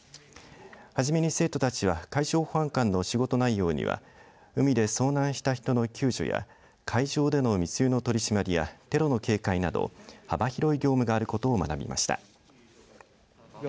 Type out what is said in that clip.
初めに生徒たちは海上保安官の仕事内容には海で遭難した人の救助や海上での密輸の取締りやテロの警戒など幅広い業務があることを学びました。